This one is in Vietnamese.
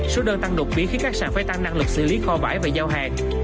số đơn tăng đột biến khiến các sản phải tăng năng lực xử lý kho bãi và giao hàng